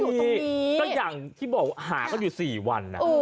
เพิ่งหาเขาอยู่๔วัน